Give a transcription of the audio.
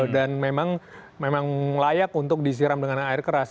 memang layak untuk disiram dengan air keras